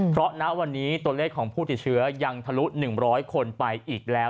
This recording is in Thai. เพราะณวันนี้ตัวเลขของผู้ติดเชื้อยังทะลุ๑๐๐คนไปอีกแล้ว